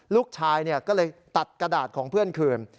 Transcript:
ลูกชายก็เลยตัดกระดาษของเพื่อนคืน